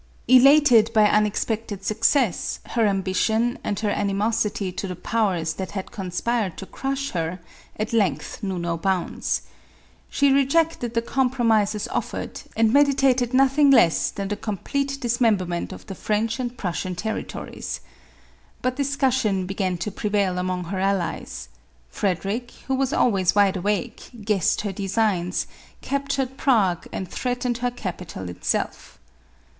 Elated by unexpected success, her ambition, and her animosity to the powers that had conspired to crush her, at length knew no bounds. She rejected the compro 198 MARIA THERESA. mises offered, and meditated nothing less than the com plete dismemberment of the French and Prussian terri tories. But dissension began to prevail among her allies. Frederic, who was always wide awake, guessed her designs, captured Prague and threatened her capital itself.